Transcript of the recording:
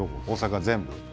大阪全部？